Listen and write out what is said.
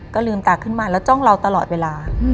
ก็ลืมตาขึ้นมาแล้วจ้องเราตลอดเวลา